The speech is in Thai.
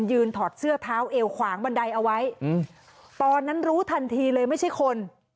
ถอดเสื้อเท้าเอวขวางบันไดเอาไว้ตอนนั้นรู้ทันทีเลยไม่ใช่คน